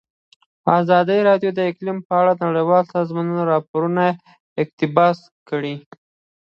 ازادي راډیو د اقلیم په اړه د نړیوالو سازمانونو راپورونه اقتباس کړي.